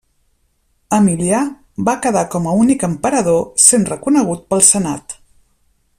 Emilià va quedar com a únic Emperador, sent reconegut pel Senat.